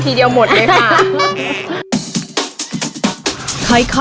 พี่ดาขายดอกบัวมาตั้งแต่อายุ๑๐กว่าขวบ